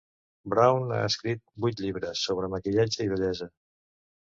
Brown ha escrit vuit llibres sobre maquillatge i bellesa.